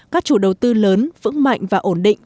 các chủ đầu tư lớn vững mạnh và ổn định